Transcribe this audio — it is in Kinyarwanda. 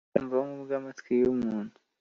Kumva Nk Ubw Amatwi Y Umuntu